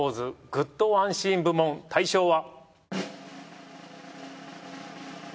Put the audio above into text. グッドＯＮＥシーン部門大賞は。